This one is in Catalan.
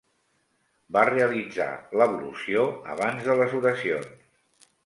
Va realitzar l'ablució abans de les oracions.